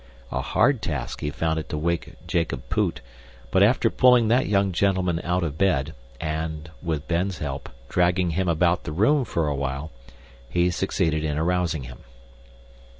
A hard task he found it to wake Jacob Poot, but after pulling that young gentleman out of bed, and, with Ben's help, dragging him about the room for a while, he succeeded in arousing him.